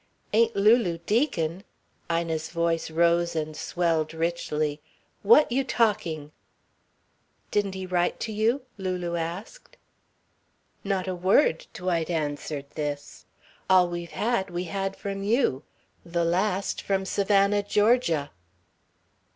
"Ain't Lulu Deacon!" Ina's voice rose and swelled richly. "What you talking?" "Didn't he write to you?" Lulu asked. "Not a word." Dwight answered this. "All we've had we had from you the last from Savannah, Georgia."